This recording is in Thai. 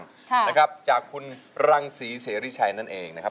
วันเธอว่างจากคุณรังศรีเสียริชัยนั่นเองนะครับ